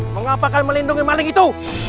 mengapakah melindungi maling itu